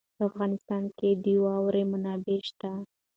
په افغانستان کې د واوره منابع شته.